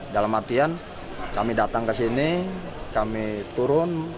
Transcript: dalam artian kami datang ke sini kami turun